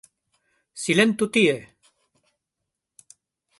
Silentu tie!